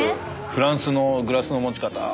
フランスのグラスの持ち方